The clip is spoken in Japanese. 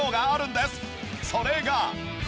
それが。